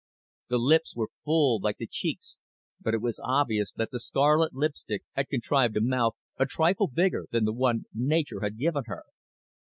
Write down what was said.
The lips were full, like the cheeks, but it was obvious that the scarlet lipstick had contrived a mouth a trifle bigger than the one nature had given her.